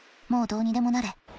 もうどうにでもなれ。